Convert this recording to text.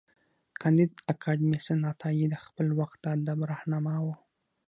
کانديد اکاډميسن عطايي د خپل وخت د ادب رهنما و.